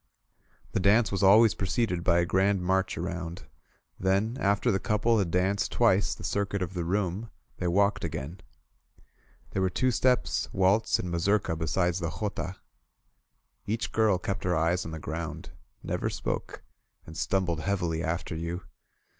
The dance was always preceded by a grand march around; then, after the couple had danced twice the circuit of the room, they walked again. There were two steps, waltz and mazurka beside the jota. Each girl kept her eyes on the ground, never spoke, and stumbled heavily after you.